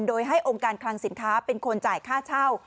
โดยให้องค์การคลังสินค้าเป็นคนจ่ายค่าเช่า